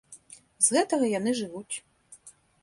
З гэтага яны жывуць.